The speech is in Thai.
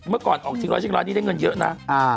เมื่อก่อนออกชิงร้อยชิงร้อยนี้ได้เงินเยอะนะ